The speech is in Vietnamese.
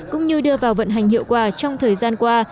cũng như đưa vào vận hành hiệu quả trong thời gian qua